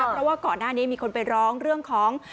เพราะว่าก่อนหน้านี้มีคนไปร้องเรื่องของ